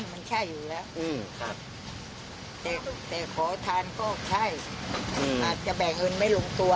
มันใช่อยู่แล้วแต่ขอทานก็ใช่อาจจะแบ่งเงินไม่ลงตัว